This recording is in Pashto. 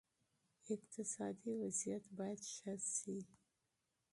اقتصادي وضعیت باید ښه شي.